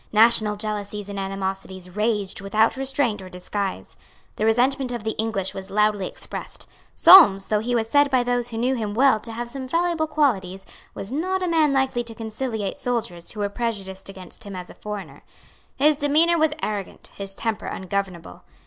National jealousies and animosities raged without restraint or disguise. The resentment of the English was loudly expressed. Solmes, though he was said by those who knew him well to have some valuable qualities, was not a man likely to conciliate soldiers who were prejudiced against him as a foreigner. His demeanour was arrogant, his temper ungovernable.